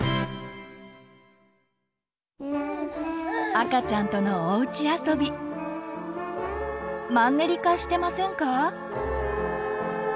赤ちゃんとのおうちあそびマンネリ化してませんか？